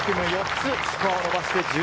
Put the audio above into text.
４つスコアを伸ばして−１２。